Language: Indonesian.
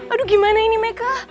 aduh gimana ini meka